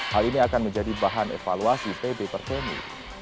hal ini akan menjadi bahan evaluasi pb pertemi